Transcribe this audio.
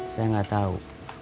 saya gak tahu